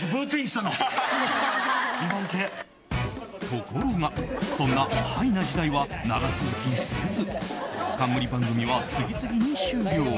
ところが、そんなＨｉな時代は長続きせず冠番組は次々に終了。